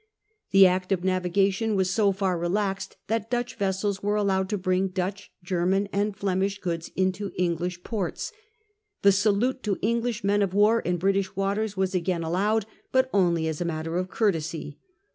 The Act of Navigation was so far relaxed that Dutch vessels were allowed to bring Dutch, German, and Flemish goods into English ports, The salute to English men of war in British waters was again allowed, but only as a matter of courtesy.